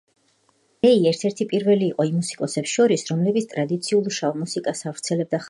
რეი ერთ-ერთი პირველი იყო იმ მუსიკოსებს შორის, რომლებიც ტრადიციულ შავ მუსიკას ავრცელებდა ხალხის მასებში.